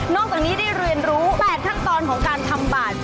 จากนี้ได้เรียนรู้๘ขั้นตอนของการทำบาท